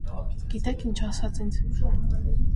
Գիտե՞ք ինչ ասաց ինձ.